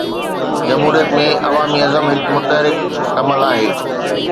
جمهوريت ۾ عوامي عزم هڪ متحرڪ عمل آهي.